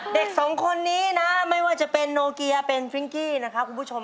เด็กสองคนนี้นะไม่ว่าจะเป็นโนเกียเป็นฟริ้งกี้นะครับคุณผู้ชม